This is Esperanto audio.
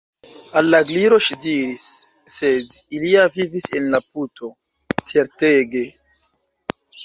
Al la Gliro ŝi diris: "Sed ili ja vivis en la puto. Certege! »